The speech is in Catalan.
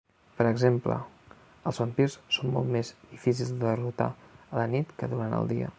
Per exemple, els vampirs són molt més difícils de derrotar a la nit que durant el dia.